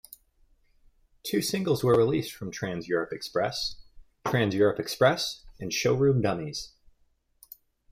Two singles were released from "Trans-Europe Express": "Trans-Europe Express" and "Showroom Dummies".